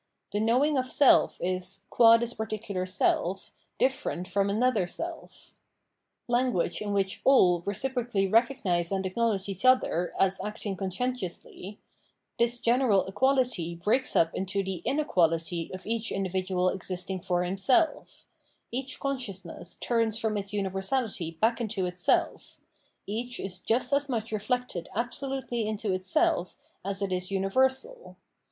The knowing of self is, qua this particular self, difierent from another seh. Language in which all reciprocally recognise and acknowledge each other as acting conscientiously — this general equahty breaks up into the inequality of each individual existing for himself ; each conscious ness turns from its universality back into itself, each is just as much reflected absolutely into itself as it is umversal.